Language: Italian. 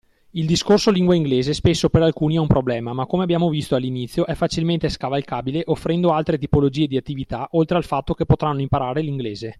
Il discorso lingua inglese spesso per alcuni è un problema ma come abbiamo visto all’inizio è facilmente scavalcabile offrendo altre tipologie di attività oltre al fatto che potranno imparare l’inglese.